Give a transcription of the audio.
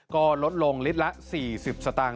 ก็ลดลงลิตรละ๔๐สตางค